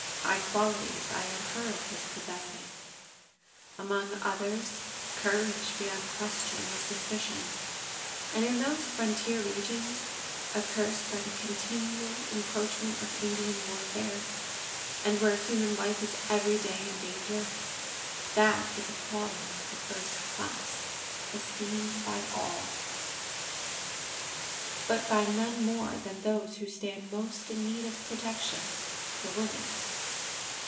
High qualities, I had heard of his possessing among others courage beyond question or suspicion; and in those frontier regions accursed by the continual encroachment of Indian warfare, and where human life is every day in danger that is a quality of the first class esteemed by all, but by none more than those who stand most in need of protection the women.